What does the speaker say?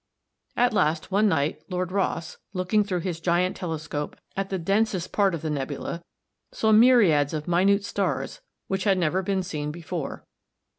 At last one night Lord Rosse, looking through his giant telescope at the densest part of the nebula, saw myriads of minute stars which had never been seen before.